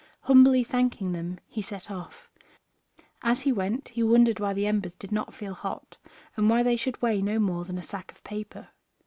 Humbly thanking them, he set off. As he went he wondered why the embers did not feel hot, and why they should weigh no more than a sack of paper.